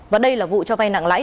và đây là vụ cho vay nặng lãi